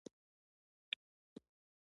وطن زموږ د راتلونکې ماشومانو لپاره ارزښت لري.